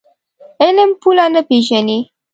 علم پوله نه پېژني.